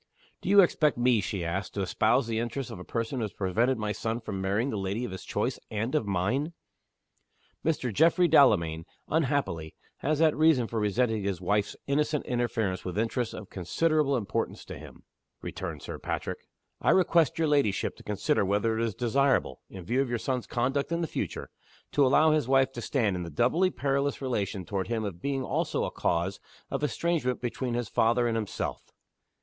"Do you expect me," she asked, "to espouse the interests of a person who has prevented my son from marrying the lady of his choice, and of mine?" "Mr. Geoffrey Delamayn, unhappily, has that reason for resenting his wife's innocent interference with interests of considerable, importance to him," returned Sir Patrick. "I request your ladyship to consider whether it is desirable in view of your son's conduct in the future to allow his wife to stand in the doubly perilous relation toward him of being also a cause of estrangement between his father and himself."